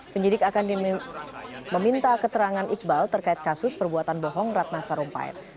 penyidik akan meminta keterangan iqbal terkait kasus perbuatan bohong ratna sarumpait